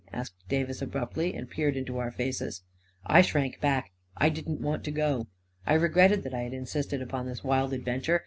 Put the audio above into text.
asked Davis abruptly, and peered into our faces. I shrank back. I didn't want to go. I regretted that I had insisted upon this wild adventure.